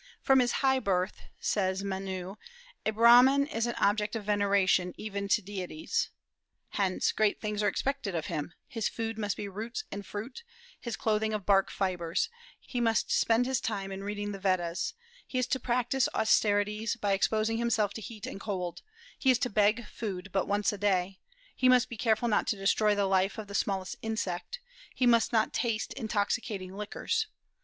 "From his high birth," says Menu, "a Brahman is an object of veneration, even to deities." Hence, great things are expected of him; his food must be roots and fruit, his clothing of bark fibres; he must spend his time in reading the Vedas; he is to practise austerities by exposing himself to heat and cold; he is to beg food but once a day; he must be careful not to destroy the life of the smallest insect; he must not taste intoxicating liquors.